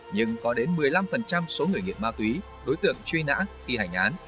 nhưng có đến một mươi năm số người nghiện ma túy đối tượng truy nã thi hành án